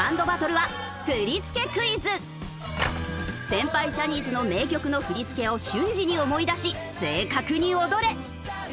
先輩ジャニーズの名曲の振り付けを瞬時に思い出し正確に踊れ！